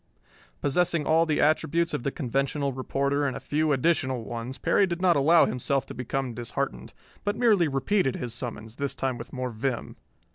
Possessing all the attributes of the conventional reporter and a few additional ones, Perry did not allow himself to become disheartened, but merely repeated his summons, this time with more vim.